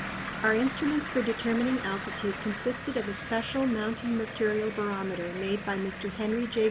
Our instruments for determining altitude consisted of a special mountain mercurial barometer made by Mr. Henry J.